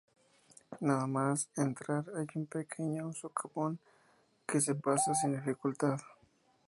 Nada más entrar hay un pequeño socavón que se pasa sin dificultad.